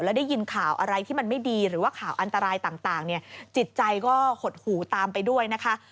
แล้วได้ยินข่าวอะไรที่มันไม่ดีหรือว่าข่าวอันตรายต่างเนี่ยจิตใจก็หดหูตามไปด้วยนะคะ